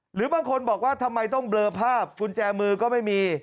หรือบางคนบอกว่าทำไมต้องเบลอภาพกุญแจมือก็ไม่มี